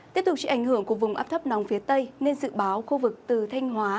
tiếp tục trị ảnh hưởng của vùng áp thấp nóng phía tây nên dự báo khu vực từ thanh hóa